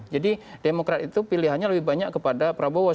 jadi demokrat itu pilihannya lebih banyak kepada prabowo